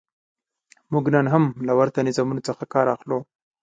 موږ نن هم له ورته نظامونو څخه کار اخلو.